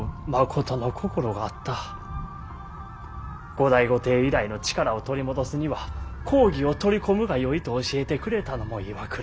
後醍醐帝以来の力を取り戻すには公儀を取り込むがよいと教えてくれたのも岩倉じゃ。